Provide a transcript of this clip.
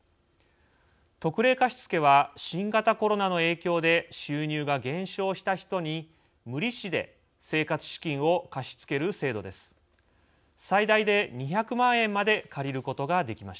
特例貸付は新型コロナの影響で収入が減少した人に無利子で生活資金を貸し付ける制度です。